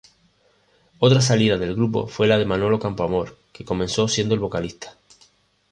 Otra salida del grupo, fue la de Manolo Campoamor, que comenzó siendo el vocalista.